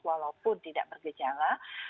walaupun tidak bergejala